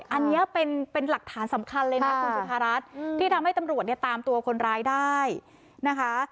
อันนี้เป็นหลักฐานสำคัญเลยนะคุณจุธารัฐที่ทำให้ตำรวจเนี่ยตามตัวคนร้ายได้นะคะ